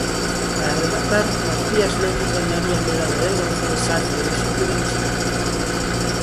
Para rematar, Matías Lemus gañaría a medalla de bronce en salto de lonxitude benxamín.